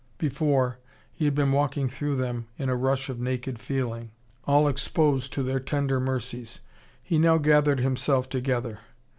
Before, he had been walking through them in a rush of naked feeling, all exposed to their tender mercies. He now gathered himself together.